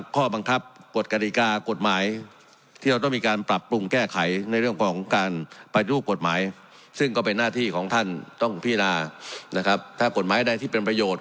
ก็เป็นหน้าที่ของท่านต้องพินานะครับถ้ากฎหมายใดที่เป็นประโยชน์